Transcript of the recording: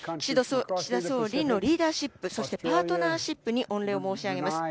岸田総理のリーダーシップそしてパートナーシップに御礼を申し上げます。